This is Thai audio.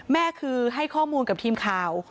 แม่คือให้ข้อมูลกับทีมข่าว